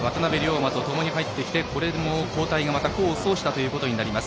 磨とともに入ってきてこれも交代がまた功を奏したことになります。